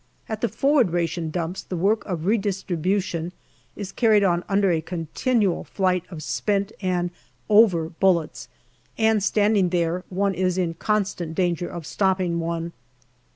At the forward ration dumps the work of redistribution is carried on under a continual flight of spent and " over " bullets, and standing there one is in constant danger of stopping one.